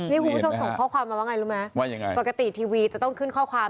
นี่คุณผู้ชมส่งข้อความมาว่าไงรู้ไหมว่ายังไงปกติทีวีจะต้องขึ้นข้อความ